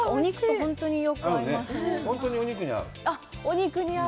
本当にお肉に合う。